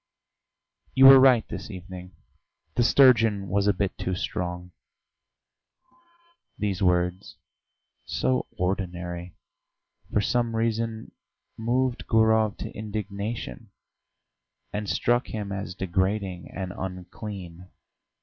"You were right this evening: the sturgeon was a bit too strong!" These words, so ordinary, for some reason moved Gurov to indignation, and struck him as degrading and unclean.